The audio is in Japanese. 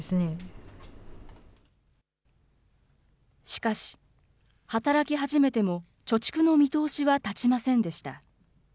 しかし、働き始めても貯蓄の見通しは立ちませんでした。